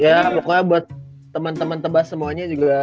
ya pokoknya buat temen temen tebas semuanya juga